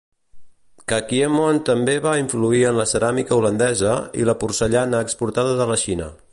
Kakiemon també va influir en la ceràmica holandesa i la porcellana exportada de la Xina.